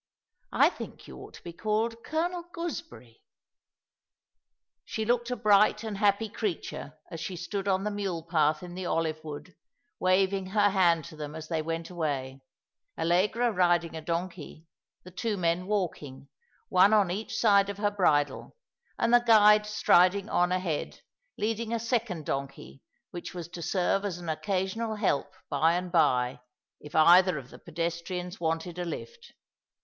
I think you ought to be called Colonel Gooseberry." She looked a bright and happy creature as she stood on the mule path in the olive wood, waving her hand to them as they went away— Allegra riding a donkey, the two men walking, one on each side of her bridle, and the guide striding on ahead, leading a second donkey which was to serve as an occasional help by and by, if either of the pedestrians wanted a lift.